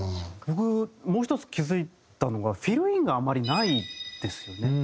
僕もう１つ気付いたのがフィル・インがあんまりないですよね。